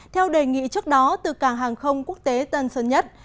theo đề nghị trước đó từ cảng hàng không quốc tế tân sơn nhất